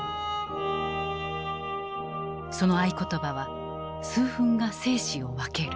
その合言葉は「数分が生死を分ける」。